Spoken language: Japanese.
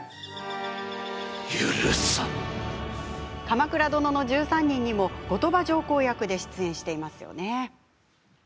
「鎌倉殿の１３人」にも後鳥羽上皇役で出演していますよね。